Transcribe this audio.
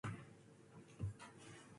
Lou himself claimed to be immortal.